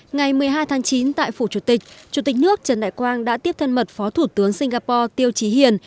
ngày một mươi hai tháng chín tại phủ chủ tịch chủ tịch nước trần đại quang đã tiếp thân mật phó thủ tướng singapore tiêu trí hiền